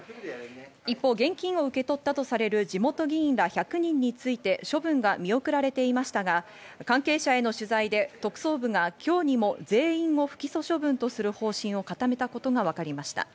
一方、現金を受け取ったとされる地元議員ら１００人について処分が見送られていましたが、関係者への取材で特捜部が今日にも全員を不起訴処分とする方針を固めたことが分かりました。